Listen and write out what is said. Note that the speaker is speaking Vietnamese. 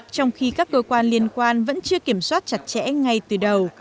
trong khi các cơ quan liên quan vẫn chưa kiểm soát chặt chẽ ngay từ đầu